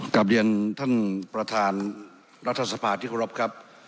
กลับเรียนท่านประธานรัฐสภาที่เคารพครับ